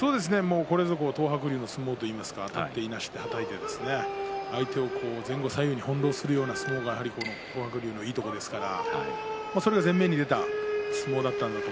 これぞ東白龍の相撲といいますかあたって、いなして、はたいて相手を前後左右に翻弄するような相撲が東白龍のいいところですからそれが前面に出た相撲だったと。